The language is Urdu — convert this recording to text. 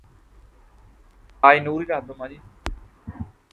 آذربائیجان